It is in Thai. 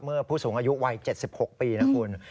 ผู้สูงอายุวัย๗๖ปีนะคุณ